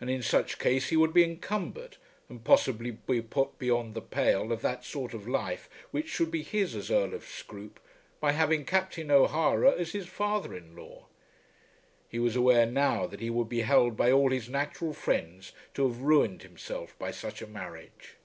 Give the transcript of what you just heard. And in such case he would be encumbered, and possibly be put beyond the pale of that sort of life which should be his as Earl of Scroope, by having Captain O'Hara as his father in law. He was aware now that he would be held by all his natural friends to have ruined himself by such a marriage.